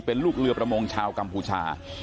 เป็นลูกเรือประมงชาวกัมพูชา